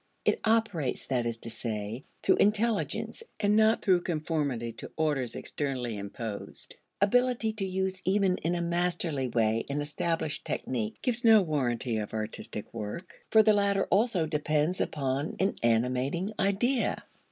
It operates, that is to say, through intelligence, and not through conformity to orders externally imposed. Ability to use even in a masterly way an established technique gives no warranty of artistic work, for the latter also depends upon an animating idea.